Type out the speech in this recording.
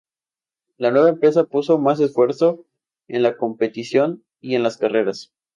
La nueva empresa puso más esfuerzo en la competición y en las carreras.